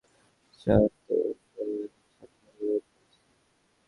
ঢাকার যানজটের নিয়ম মেনে সাড়ে চারটাতেই একটা রিকশা নিয়ে বেরিয়ে পড়েছি।